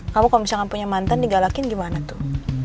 kamu kalau misalnya gak punya mantan digalakin gimana tuh